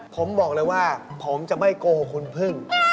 ผมบอกเลยว่าผมจะไม่โกหกคุณพึ่ง